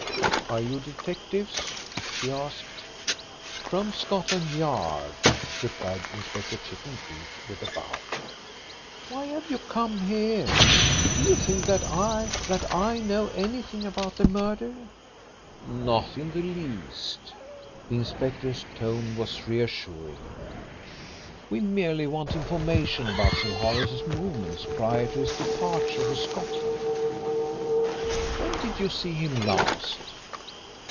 "Are you detectives?" she asked. "From Scotland Yard," replied Inspector Chippenfield with a bow. "Why have you come here? Do you think that I that I know anything about the murder?" "Not in the least." The inspector's tone was reassuring. "We merely want information about Sir Horace's movements prior to his departure for Scotland. When did you see him last?"